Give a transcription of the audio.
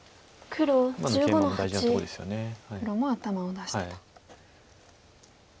黒も頭を出してと。